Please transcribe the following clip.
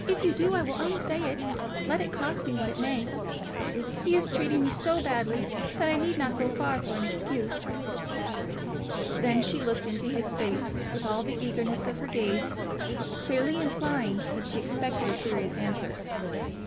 If you do, I will unsay it, let it cost me what it may. He is treating me so badly that I need not go far for an excuse." Then she looked into his face with all the eagerness of her gaze, clearly implying that she expected a serious answer.